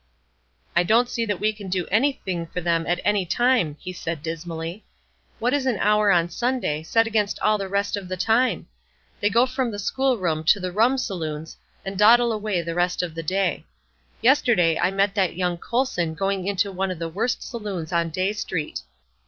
"I don't see that we can do anything for them at any time," he said, dismally. "What is an hour on Sunday, set against all the rest of the time? They go from the school room to the rum saloons, and dawdle away the rest of the day. Yesterday I met that young Colson going into one of the worst saloons on Dey Street.